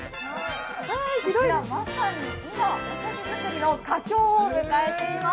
まさに今おせち作りの佳境を迎えています。